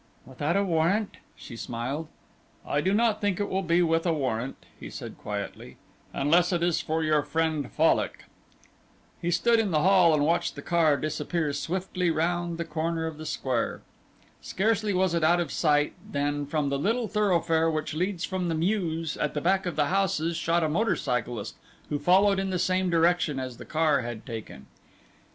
"Without a warrant?" she smiled. "I do not think it will be with a warrant," he said, quietly, "unless it is for your friend Fallock." He stood in the hall and watched the car disappear swiftly round the corner of the square. Scarcely was it out of sight than from the little thoroughfare which leads from the mews at the back of the houses shot a motor cyclist who followed in the same direction as the car had taken.